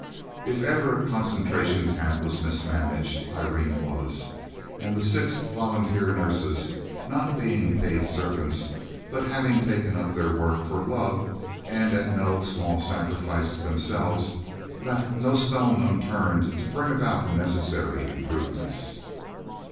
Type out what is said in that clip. If ever a Concentration Camp was mismanaged, Irene was, and the six volunteer nurses, not being paid servants, but having taken up their work for love and at no small sacrifice to themselves, left no stone unturned to bring about the necessary improvements.